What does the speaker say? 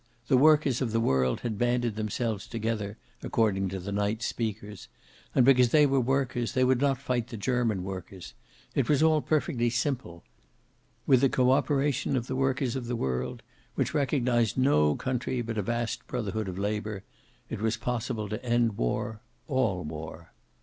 The workers of the world had banded themselves together, according to the night's speakers. And because they were workers they would not fight the German workers. It was all perfectly simple. With the cooperation of the workers of the world, which recognized no country but a vast brotherhood of labor, it was possible to end war, all war.